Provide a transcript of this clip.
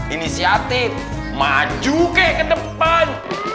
inisiatif maju ke kedepan